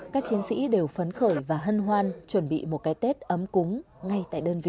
các chiến sĩ đều phấn khởi và hân hoan chuẩn bị một cái tết ấm cúng ngay tại đơn vị